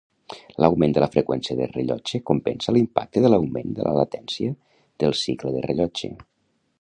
L'augment de la freqüència de rellotge compensa l'impacte de l'augment de la latència del cicle de rellotge.